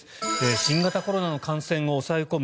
新型コロナの感染を抑え込む